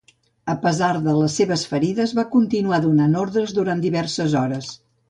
A pesar de les seves ferides, va continuar donant ordres durant diverses hores.